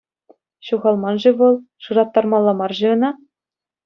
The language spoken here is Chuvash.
Ҫухалман-ши вӑл, шыраттармалла мар-ши ӑна?